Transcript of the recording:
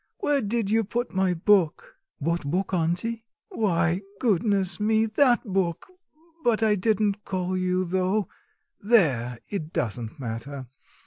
where did you put my book?" "What book, auntie?" "Why, goodness me, that book! But I didn't call you though... There, it doesn't matter.